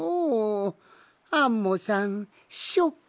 アンモさんショック。